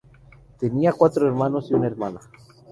Tenía cuatro hermanos, y una hermana.